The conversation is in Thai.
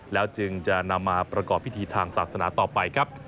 แล้วจึงจะนำมาประกอบพิธีทางศาสนาต่อไปครับ